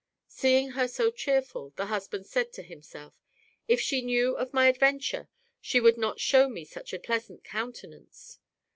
Seeing her so cheer ful, the husband said to himself " If she knew of my adventure she would not show me such a pleasant countenance."